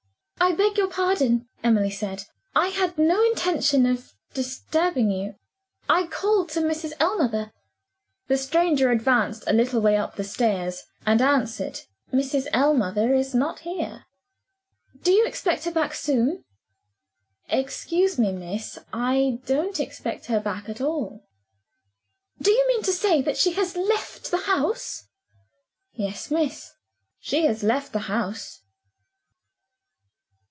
"I beg your pardon," Emily said; "I had no intention of disturbing you. I called to Mrs. Ellmother." The stranger advanced a little way up the stairs, and answered, "Mrs. Ellmother is not here." "Do you expect her back soon?" "Excuse me, miss I don't expect her back at all." "Do you mean to say that she has left the house?" "Yes, miss. She has left the house."